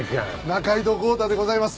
仲井戸豪太でございます。